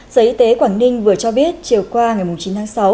sở y tế quảng ninh vừa cho biết chiều qua ngày chín tháng sáu